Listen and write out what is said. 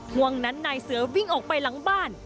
ห่วงนั้นนายเสือวิ่งออกไปหลังบ้าน